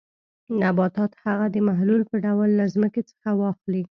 نباتات هغه د محلول په ډول له ځمکې څخه واخلي.